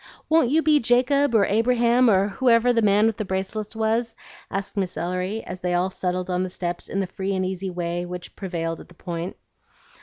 Won't you be Jacob or Abraham or whoever the man with the bracelets was?" asked Miss Ellery, as they all settled on the steps in the free and easy way which prevailed at the Point.